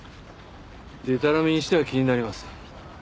でたらめにしては気になります。